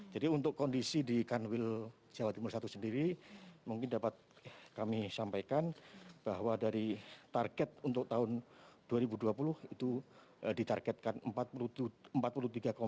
jadi untuk kondisi di kanwil jawa timur satu sendiri mungkin dapat kami sampaikan bahwa dari target untuk tahun dua ribu dua puluh itu ditargetkan empat puluh tiga lima belas triliun